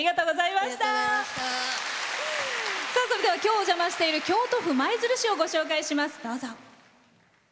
それでは今日、お邪魔している京都府舞鶴市をご紹介します。